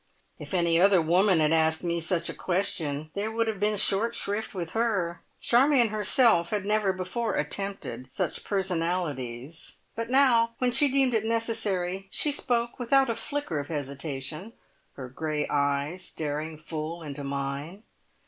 If any other woman had asked me such a question there would have been short shrift with her. Charmion herself had never before attempted such personalities; but now, when she deemed it necessary, she spoke without a flicker of hesitation, her grey eyes staring full into mine.